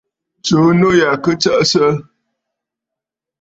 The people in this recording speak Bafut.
Tsùu nû ya kɨ tsəʼəsə!